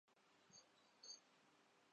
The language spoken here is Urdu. اب تو لوگ اس بات پر ہنس پڑتے ہیں۔